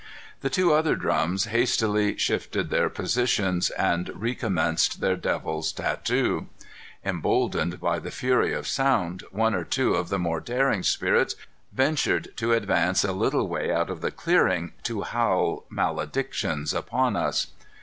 The two other drums hastily shifted their positions, and recommenced their devil's tattoo. Emboldened by the fury of sound, one or two of the more daring spirits ventured to advance a little way out in the clearing to howl maledictions upon us.